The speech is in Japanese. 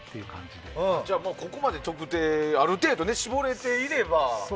ここまで特定、ある程度絞れていれば。